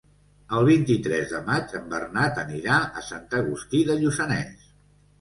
El vint-i-tres de maig en Bernat anirà a Sant Agustí de Lluçanès.